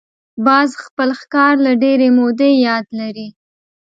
باز خپل ښکار له ډېرې مودې یاد لري